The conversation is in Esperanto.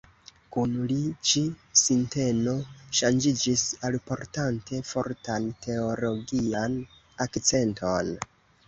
Kun li, ĉi- sinteno ŝanĝiĝis, alportante fortan teologian akcenton.